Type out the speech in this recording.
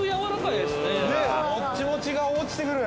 もっちもちが落ちてくる！